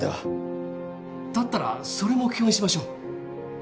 だったらそれを目標にしましょう。